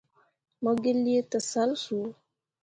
Mo gi lii tǝsal soo.